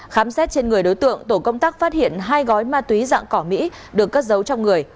khám xét trên người đối tượng tổ công tác phát hiện hai gói ma túy dạng cỏ mỹ được cất giấu trong người